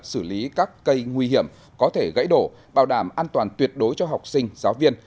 xử lý các cây nguy hiểm có thể gãy đổ bảo đảm an toàn tuyệt đối cho học sinh giáo viên